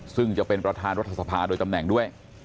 ซึ่งจะเป็นประธานรัฐสภาโดยตำแหน่งด้วย